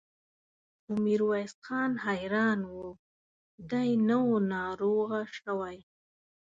خو ميرويس خان حيران و، دی نه و ناروغه شوی.